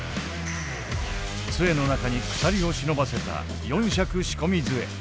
杖の中に鎖を忍ばせた四尺仕込み杖。